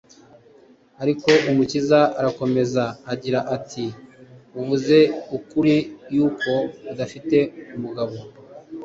Ariko Umukiza arakomeza agira ati, ” Uvuze ukuri yuko udafite umugabo,